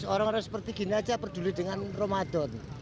orang orang seperti gini aja peduli dengan ramadan